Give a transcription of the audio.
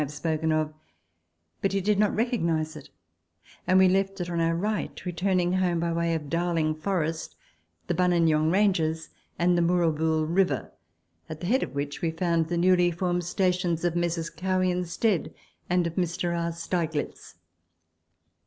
have spoken of ; but he did not recognise it, and we left it on our right, returning home by way of Bowling Forest, the Buninyong Ranges, and the Moorabool River, at the head of which we found the newly formed stations of Messrs. Cowie and Stead, and of Mr. R. Steiglitz.